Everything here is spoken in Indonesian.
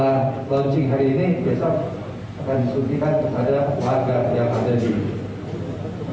harapannya mudah mudahan ini bagian ikhtiar kami pemerintah agar semua masyarakat bisa kembali aktivitas lebih baik lagi